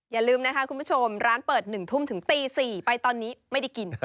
อย่าลืมนะคะคุณผู้ชมร้านเปิด๑ทุ่มถึงตี๔ไปตอนนี้ไม่ได้กิน